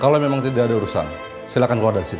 kalau memang tidak ada urusan silakan keluar dari sini